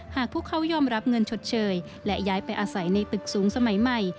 หากพวกเขายอมรับเงินชดเชยและย้ายไปอาศัยในตึกสูงสมัยใหม่